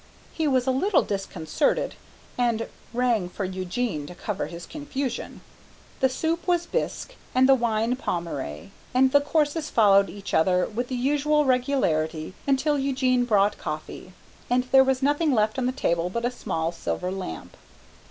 He was a little disconcerted, and rang for Eugene to cover his confusion. The soup was bisque, and the wine Pommery, and the courses followed each other with the usual regularity until Eugene brought coffee, and there was nothing left on the table but a small silver lamp.